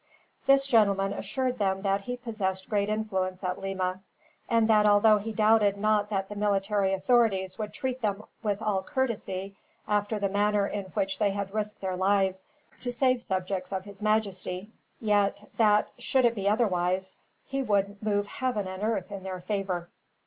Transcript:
This gentleman assured them that he possessed great influence at Lima; and that, although he doubted not that the military authorities would treat them with all courtesy, after the manner in which they had risked their lives to save subjects of his majesty; yet that, should it be otherwise, he would move heaven and earth in their favor.